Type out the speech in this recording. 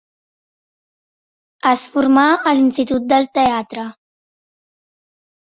Es formà a l'Institut del teatre.